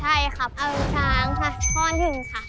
ใช่ครับเอาช้างค่ะก้อนหนึ่งค่ะ